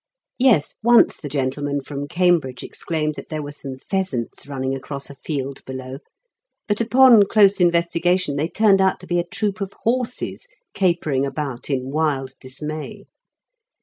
Yes; once the gentleman from Cambridge exclaimed that there were some pheasants running across a field below; but upon close investigation they turned out to be a troop of horses capering about in wild dismay.